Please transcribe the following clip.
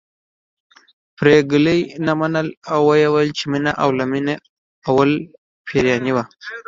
پري ګلې نه منله او ويل يې چې مينه له اوله پيريانۍ وه